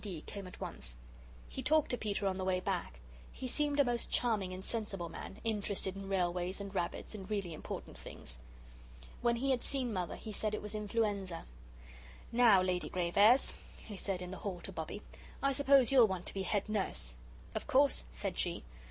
D., came at once. He talked to Peter on the way back. He seemed a most charming and sensible man, interested in railways, and rabbits, and really important things. When he had seen Mother, he said it was influenza. "Now, Lady Grave airs," he said in the hall to Bobbie, "I suppose you'll want to be head nurse." "Of course," said she.